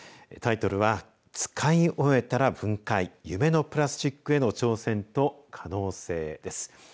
タイトルは、使い終えたら分解夢のプラスチックへの挑戦と可能性です。